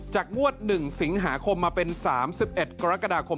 งวด๑สิงหาคมมาเป็น๓๑กรกฎาคม